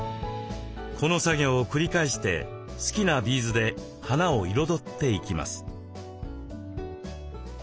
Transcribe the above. この作業を繰り返して好きなビーズで花を彩っていきます。